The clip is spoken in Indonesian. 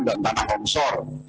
dan tanah omsor